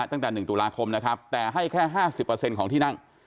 ตั้งแต่๑ตุลาคมแต่ให้แค่๕๐เปอร์เซ็นต์ของที่นั่ง